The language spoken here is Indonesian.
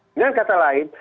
dengan kata lain